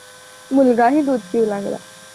मुलगाहि दूध पिऊ लागला.